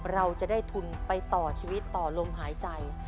เราจะได้ทุนไปต่อชีวิตต่อลมหายใจ